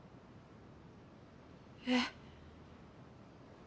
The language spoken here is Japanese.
えっ。